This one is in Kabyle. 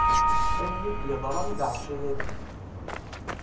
Ayen i d-yeḍran leɛca-ayi.